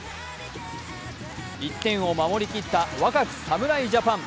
１点を守りきった若き侍ジャパン。